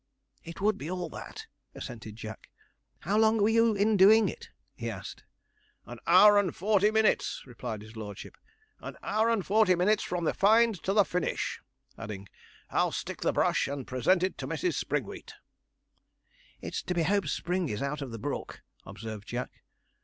'It would be all that,' assented Jack. 'How long were you in doing it?' he asked. 'An hour and forty minutes,' replied his lordship; 'an hour and forty minutes from the find to the finish'; adding, 'I'll stick the brush and present it to Mrs. Springwheat.' 'It's to be hoped Springy's out of the brook,' observed Jack.